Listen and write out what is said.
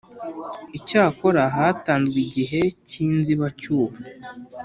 Icyakora hatanzwe igihe k inzibacyuho